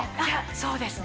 そうですね。